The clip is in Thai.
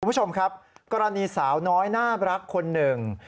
คุณผู้ชมครับกรณีสาวน้อยน่ารักคนหนึ่ง